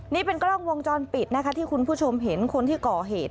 นี่เป็นกล้องวงจรปิดนะคะที่คุณผู้ชมเห็นคนที่ก่อเหตุ